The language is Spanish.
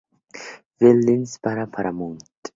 Fields para Paramount.